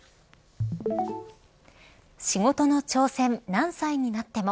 仕事の挑戦、何歳になっても。